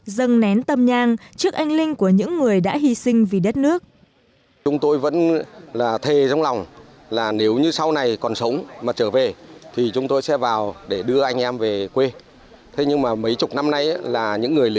dâng nén tâm nhang trước anh linh của những người